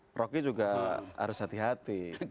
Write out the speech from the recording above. profnya juga harus hati hati